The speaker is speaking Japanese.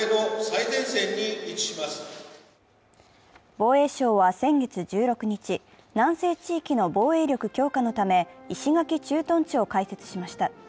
防衛省は先月１６日、南西地域の防衛力強化のため石垣駐屯地を開設しました。